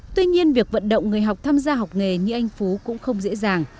tuy nhiên việc vận động người học tham gia học nghề như anh phú cũng không dễ dàng